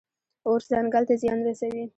اور ځنګل ته زیان رسوي.